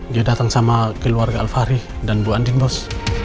dia datang sama keluarga alvari dan bu anding bos